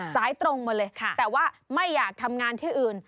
สายตรงมาเลยแต่ว่าไม่อยากทำงานที่อื่น